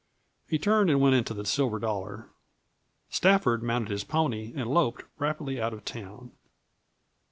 He turned and went into the Silver Dollar. Stafford mounted his pony and loped rapidly out of town.